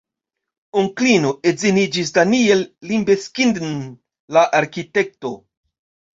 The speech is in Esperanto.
Onklino edziniĝis Daniel Libeskind-n, la arkitekto.